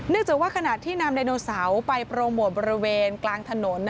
จากว่าขณะที่นำไดโนเสาร์ไปโปรโมทบริเวณกลางถนน